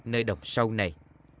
nơi đồng sâu này